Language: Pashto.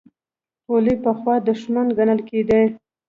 پولې پخوا دښمن ګڼل کېدې.